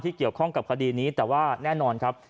เกี่ยวข้องกับคดีนี้แต่ว่าแน่นอนครับ